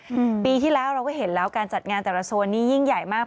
อืมปีที่แล้วเราก็เห็นแล้วการจัดงานแต่ละโซนนี้ยิ่งใหญ่มาก